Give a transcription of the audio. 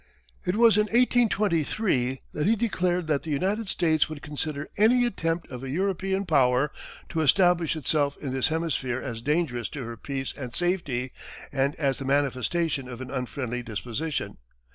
It was in 1823 that he declared that the United States would consider any attempt of a European power to establish itself in this hemisphere as dangerous to her peace and safety, and as the manifestation of an unfriendly disposition.